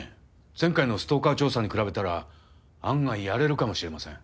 前回のストーカー調査に比べたら案外やれるかもしれません。